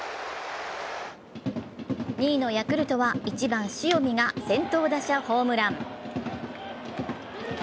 ２位のヤクルトは１番・塩見が先頭打者ホームラン。